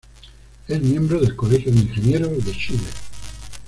Es miembro del Colegio de Ingenieros de Chile.